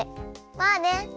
まあね！